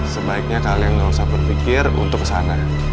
sebaiknya kalian nggak usah berpikir untuk ke sana